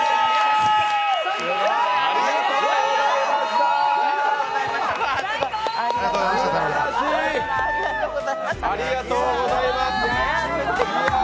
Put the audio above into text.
ありがとうございましたー！